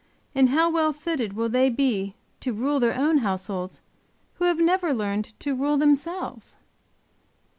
And how well fitted will they be to rule their own households who have never learned to rule themselves?